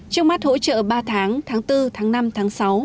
trong mắt hỗ trợ ba tháng tháng bốn tháng năm tháng sáu